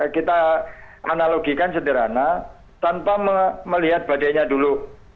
kita analogikan sederhana tanpa melihat badainya dulu